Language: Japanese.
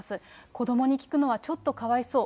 子どもに聞くのはちょっとかわいそう。